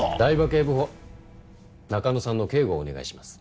警部補中野さんの警護をお願いします。